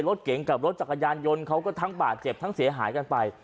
รถเก๋งกับรถจักรยานยนต์เขาก็ทั้งบาดเจ็บทั้งเสียหายกันไป